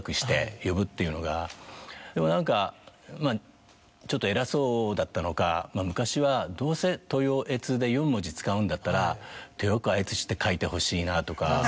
でも何かちょっと偉そうだったのか昔はどうせトヨエツで４文字使うんだったら豊川悦司って書いてほしいなとか。